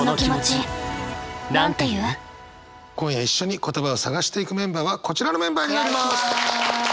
今夜一緒に言葉を探していくメンバーはこちらのメンバーになります！